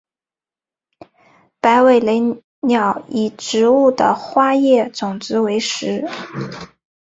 白尾雷鸟以植物的花叶种子为食。